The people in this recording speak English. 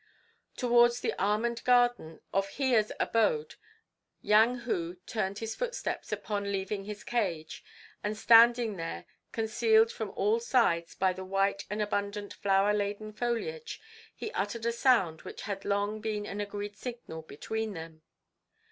Towards the almond garden of Hiya's abode Yang Hu turned his footsteps upon leaving his cave, and standing there, concealed from all sides by the white and abundant flower laden foliage, he uttered a sound which had long been an agreed signal between them.